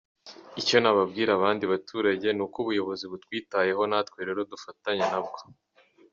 Icyo nabwira abandi baturage ni uko ubuyobozi butwitayeho natwe rero dufatanye na bwo.